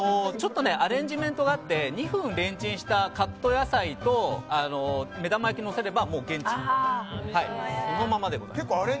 ちょっとアレンジメントがあって２分レンチンしたカット野菜と目玉焼きをのせれば、もう現地の。